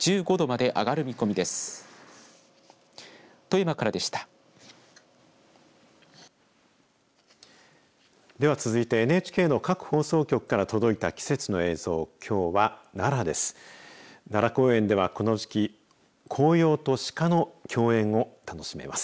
では、続いてＮＨＫの各放送局から届いた季節の映像、きょうは奈良です。